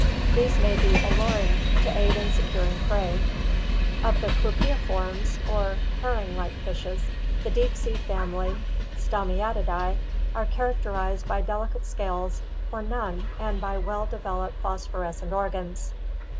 These may be alluring to aid in securing prey (see below). Of the Clupeiformes or herring like fishes the deep sea family Stomiatidae are characterized by delicate scales or none and by well developed phosphorescent organs.